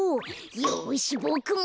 よしボクも。